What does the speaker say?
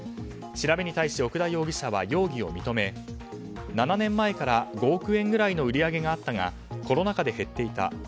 調べに対し奥田容疑者は容疑を認め７年前から５億円くらいの売り上げがあったがコロナ禍で減っていた。